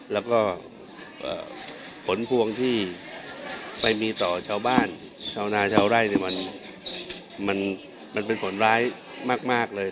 แล้วก็ผลพวงที่ไปมีต่อชาวบ้านชาวนาชาวไร่มันเป็นผลร้ายมากเลย